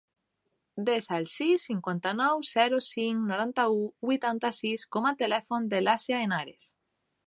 Desa el sis, cinquanta-nou, zero, cinc, noranta-u, vuitanta-sis com a telèfon de l'Àsia Henares.